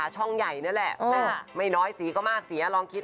ช่องใหญ่นั่นแหละไม่น้อยสีก็มากสีลองคิด